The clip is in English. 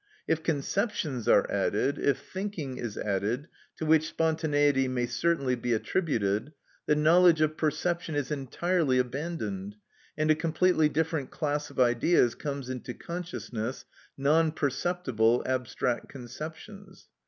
If conceptions are added, if thinking is added, to which spontaneity may certainly be attributed, then knowledge of perception is entirely abandoned, and a completely different class of ideas comes into consciousness, non perceptible abstract conceptions.